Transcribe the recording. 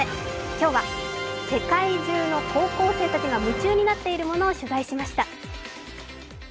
今日は世界中の高校生たちが夢中になっているものを取材しました。